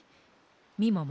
みもも